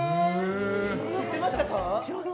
知ってましたか？